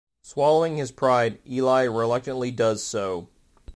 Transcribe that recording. Swallowing his pride, Eli reluctantly does so.